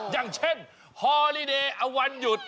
อย่างเช่นฮอลิเดย์เอาวันหยุด